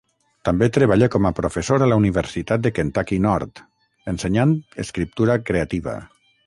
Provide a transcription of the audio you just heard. També treballa com a professor a la Universitat de Kentucky Nord, ensenyant escriptura creativa.